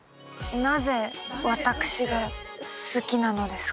なぜ私が好きなのですか？